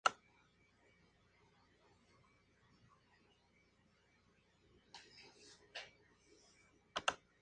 Muchas canciones son solos virtuosos e increíbles extendidos, delimitados por cambios rítmicos o coros.